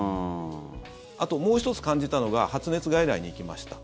あと、もう１つ感じたのが発熱外来に行きました